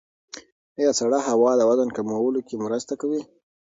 ایا سړه هوا د وزن کمولو کې مرسته کوي؟